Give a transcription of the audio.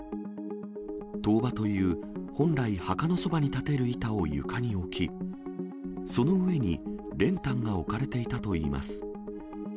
塔婆という、本来、墓のそばに立てる板を床に置き、その上に練炭が置かれていたといいます。